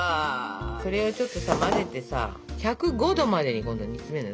それをちょっとさ混ぜてさ１０５℃まで今度煮つめるのよ。